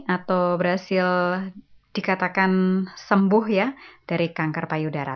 atau berhasil dikatakan sembuh ya dari kanker payudara